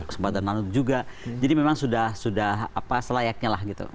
kesempatan nonton juga jadi memang sudah selayaknya lah gitu